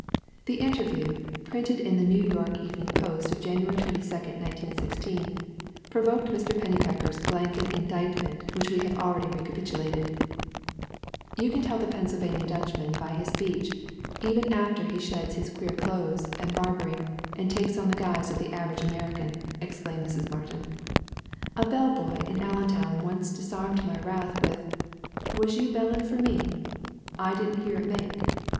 The interview, printed in the New York Evening Post of January 22, 1916, provoked Mr. Pennypacker's blanket indictment which we have already recapitulated : "You can tell the Pennsylvania Dutchman by his speech, even after he sheds his queer clothes and barber ing and takes on the guise of the average Amer ican," explained Mrs. Martin. "A bellboy in Allen town once disarmed my wrath with, 'Was you bellin' for me? I didn't hear it make.'